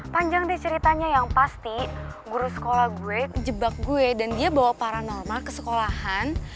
panjang deh ceritanya yang pasti guru sekolah gue jebak gue dan dia bawa paranomal ke sekolahan